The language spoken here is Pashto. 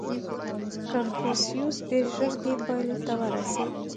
• کنفوسیوس ډېر ژر دې پایلې ته ورسېد.